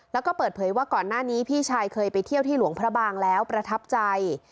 แล้วก็เปิดเผยว่าก่อนหน้านี้พี่ชายเคยไปเที่ยวที่หลวงพระบางแล้วประทับใจ